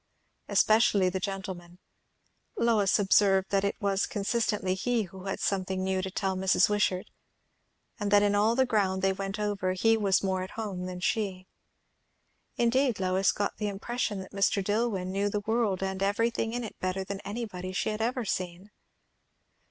Especially the gentleman. Lois observed that it was constantly he who had something new to tell Mrs. Wishart, and that in all the ground they went over, he was more at home than she. Indeed, Lois got the impression that Mr. Dillwyn knew the world and everything in it better than anybody she had ever seen.